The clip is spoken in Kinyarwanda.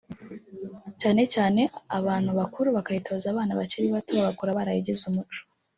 cyane cyane abantu bakuru bakayitoza abana bakiri bato bagakura barayigize umuco